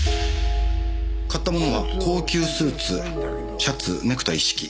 買ったものは高級スーツシャツネクタイ一式。